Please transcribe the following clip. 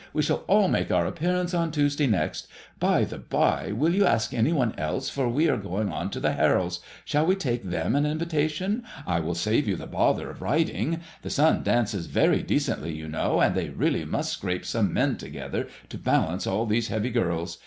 We shall all make our appearance on Tuesday next. By the by^ will you ask any one else, for we are going on to the Harolds. Shall we take them an invitation ? It will save you the bother of writing. The son dances very decently, you know, and they really must scrape some men together to balance all these heavy girls.